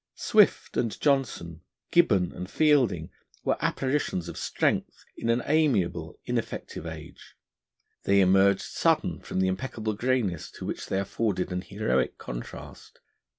Swift and Johnson, Gibbon and Fielding, were apparitions of strength in an amiable, ineffective age. They emerged sudden from the impeccable greyness, to which they afforded an heroic contrast.